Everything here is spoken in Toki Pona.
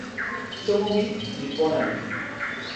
tomo mi li pona lukin.